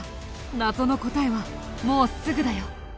謎の答えはもうすぐだよ。